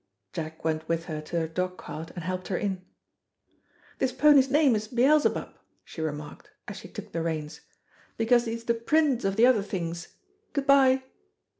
Jack went with her to her dog cart, and helped her in. "This pony's name is Beelzebub," she remarked, as she took the reins, "because he is the prince of the other things. Good bye."